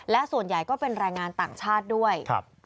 และส่วนใหญ่ก็เป็นแรงงานต่างชาติด้วย